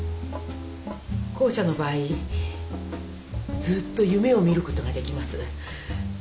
後者の場合ずっと夢を見ることができます。